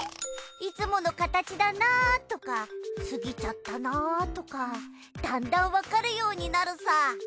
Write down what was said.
いつもの形だなとかすぎちゃったなとかだんだんわかるようになるさ。